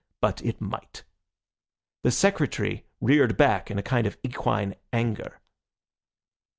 But it might." The Secretary reared back in a kind of equine anger.